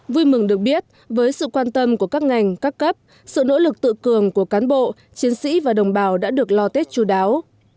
vui mừng được biết với sự quan tâm của các ngành các cấp sự nỗ lực tự cường của cán bộ chiến sĩ và đồng bào đã được lo tết chú đáo